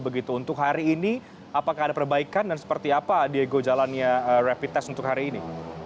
begitu untuk hari ini apakah ada perbaikan dan seperti apa diego jalannya rapid test untuk hari ini